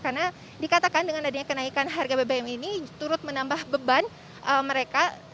karena dikatakan dengan adanya kenaikan harga bbm ini turut menambah beban mereka